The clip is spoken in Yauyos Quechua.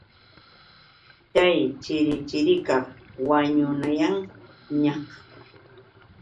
Chay chirichirikaq wañunayanñaq.